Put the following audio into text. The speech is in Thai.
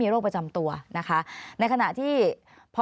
อันดับสุดท้ายแก่มือ